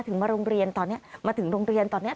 มาโรงเรียนตอนนี้มาถึงโรงเรียนตอนนี้